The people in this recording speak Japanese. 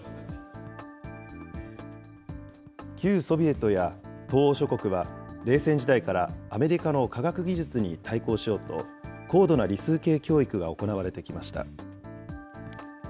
旧ソビエトや東欧諸国は、冷戦時代からアメリカの科学技術に対抗しようと、高度な理数系教育が行われてきました。